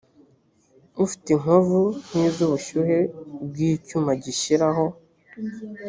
ufite inkovu nk iz ubushye bw icyuma gishyiraho